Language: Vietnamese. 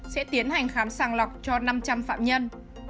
sẽ tiến hành khám sàng lọc cho năm trăm linh phạm nhân